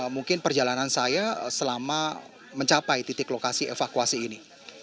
mungkin perjalanan saya selama mencapai titik lokasi evakuasi ini